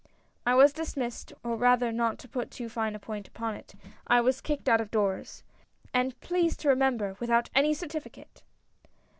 I was dismissed, or rather not to put too fine a point upon it, I was kicked out of doors. And, please to remember, without any certificate